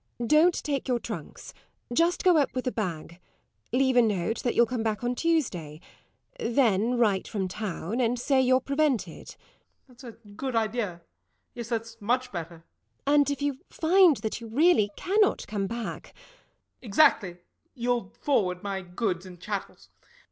Don't take your trunks; just go up with a bag. Leave a note that you'll come back on Tuesday. Then write from town and say you're prevented. SIR GEOFFREY. That's a good idea yes, that's much better. LADY TORMINSTER. And, if you find that you really cannot come back SIR GEOFFREY. Exactly; you'll forward my goods and chattels.